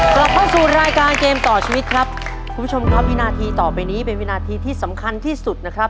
กลับเข้าสู่รายการเกมต่อชีวิตครับคุณผู้ชมครับวินาทีต่อไปนี้เป็นวินาทีที่สำคัญที่สุดนะครับ